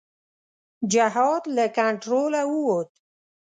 جهاد له کنټروله ووت.